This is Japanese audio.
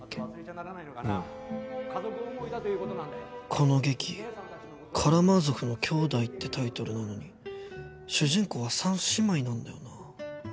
この劇『カラマーゾフのきょうだい』ってタイトルなのに主人公は３姉妹なんだよな。